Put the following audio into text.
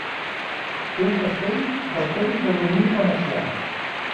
Té un castell del temps del domini venecià.